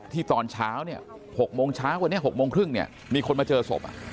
ตอนเช้าเนี่ย๖โมงเช้าวันนี้๖โมงครึ่งเนี่ยมีคนมาเจอศพ